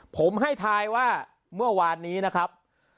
ผมให้ทายว่าเมื่อวานนี้นะครับ